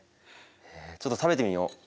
ちょっと食べてみよ。